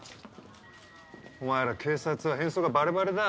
お前ら警察は変装がバレバレだ。